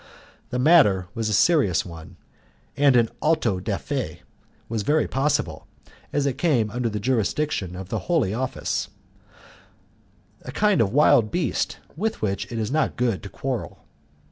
The matter was a serious one, and an auto da fe was very possible, as it came under the jurisdiction of the Holy Office a kind of wild beast, with which it is not good to quarrel.